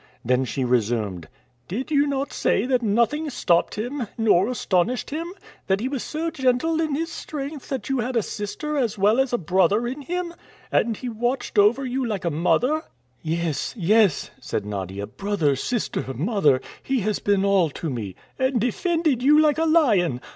Then she resumed, "Did you not say that nothing stopped him, nor astonished him; that he was so gentle in his strength that you had a sister as well as a brother in him, and he watched over you like a mother?" "Yes, yes," said Nadia. "Brother, sister, mother he has been all to me!" "And defended you like a lion?"